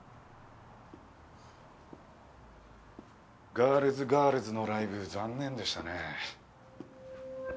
ガールズガールズのライブ残念でしたね。